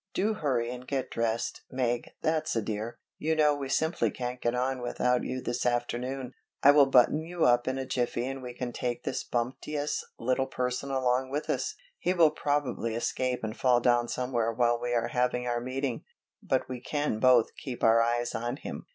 "Do hurry and get dressed, Meg, that's a dear. You know we simply can't get on without you this afternoon. I will button you up in a jiffy and we can take this bumptious little person along with us. He will probably escape and fall down somewhere while we are having our meeting, but we can both keep our eyes on him."